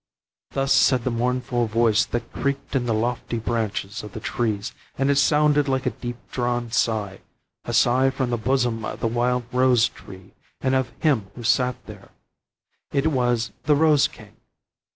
Thus said the mournful voice that creaked in the lofty branches of the trees, and it sounded like a deep drawn sigh, a sigh from the bosom of the wild rose tree, and of him who sat there; it was the rose king.